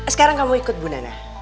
sekarang kamu ikut bu nana